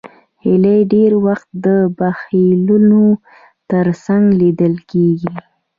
هیلۍ ډېر وخت د جهیلونو تر څنګ لیدل کېږي